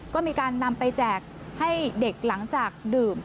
ก็มีการนำไปแจกให้เด็กดื่ม